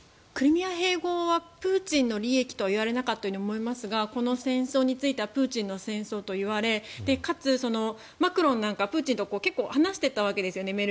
クリミア併合はプーチンの利益とは言われなかったかと思いますがこの戦争についてはプーチンの戦争といわれかつ、マクロンなんかはプーチンと結構話していたわけですよね。